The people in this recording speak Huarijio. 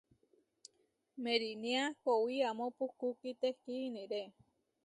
Meeriniá kowí amó puhkú kitehkí iniré.